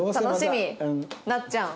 なっちゃん。